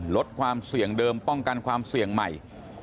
ลดความเสี่ยงเดิมป้องกันความเสี่ยงใหม่